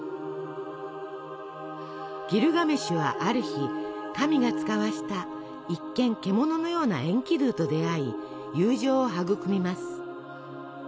ギルガメシュはある日神が遣わした一見獣のようなエンキドゥと出会い友情を育みます。